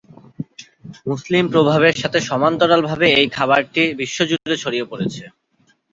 মুসলিম প্রভাবের সাথে সমান্তরাল ভাবে এই খাবারটি বিশ্বজুড়ে ছড়িয়ে পড়েছে।